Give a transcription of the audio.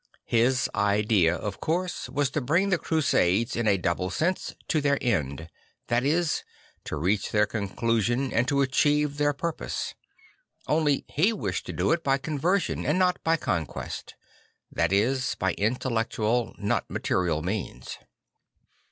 His idea, of course, was to bring the Crusades in a double sense to their end; that is, to reach their conclusion and to achieve their purpose. Only he wished to do it by conversion and not by conquest; that is, by intellectual and not material means.